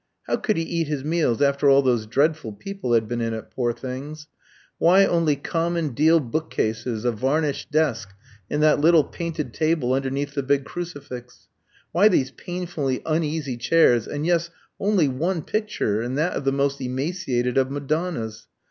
How could he eat his meals after all those dreadful people had been in it, poor things? Why only common deal book cases, a varnished desk, and that little painted table underneath the big crucifix? Why these painfully uneasy chairs, and yes only one picture, and that of the most emaciated of Madonnas?